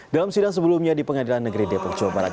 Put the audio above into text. dalam sidang sebelumnya di pengadilan negeri depok jawa barat